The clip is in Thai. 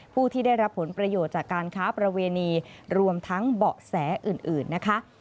ผู้ที่ได้รับผลประโยชน์จากการค้าประเวณีรวมทั้งเบาะแสอื่นนะคะ